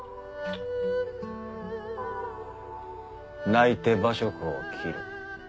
泣いて馬謖を斬る。